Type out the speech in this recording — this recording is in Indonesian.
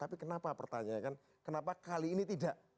tapi kenapa pertanyaan kan kenapa kali ini tidak